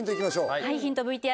はいヒントＶＴＲ